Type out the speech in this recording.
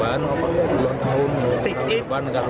ada keterbunuh dan beban